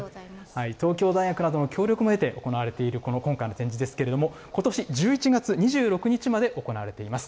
東京大学などの協力も得て行われている、この今回の展示ですけれども、ことし１１月２６日まで行われています。